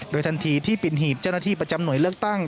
โดยทันทีที่ปิดหีบเจ้าหน้าที่ประจำหน่วยเลือกตั้ง